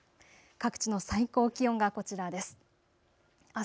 各地の最高気温がこちらです。